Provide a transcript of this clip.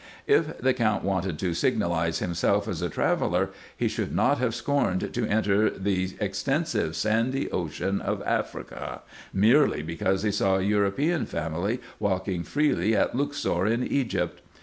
If the Count wanted to signalize himself as a traveller, he should not have scorned to enter the extensive sandy ocean of Africa, merely because he saw a European family walking freely at Luxor in Egypt.